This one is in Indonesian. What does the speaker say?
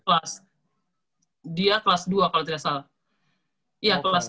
kelas dia kelas dua kalau tidak salah iya kelas dua